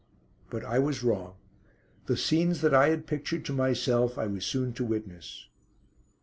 But I was wrong. The scenes that I had pictured to myself I was soon to witness.